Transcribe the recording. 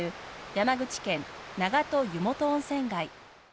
山口県長門湯本温泉街。